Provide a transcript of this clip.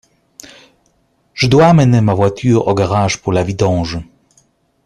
Je dois amener ma voiture au garage pour la vidange.